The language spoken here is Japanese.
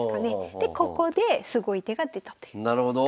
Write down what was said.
でここですごい手が出たという感じで。